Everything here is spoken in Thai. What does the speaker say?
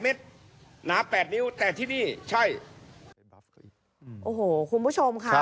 โอ้โหคุณผู้ชมค่ะ